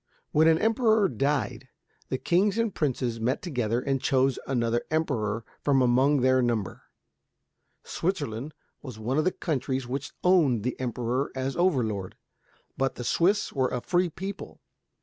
When an Emperor died the kings and princes met together and chose another Emperor from among their number. Switzerland was one of the countries which owned the Emperor as overlord. But the Swiss were a free people.